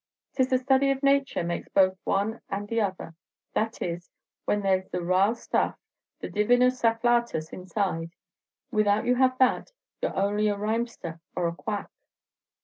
'T is the study of nature makes both one and the other; that is, when there's the raal stuff, the divinus afflatus, inside. Without you have that, you 're only a rhymester or a quack."